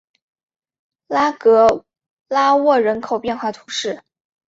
拉格拉沃人口变化图示